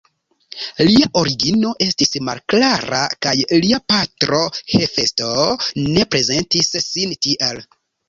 Lia origino estis malklara kaj lia patro Hefesto ne prezentis sin tiel.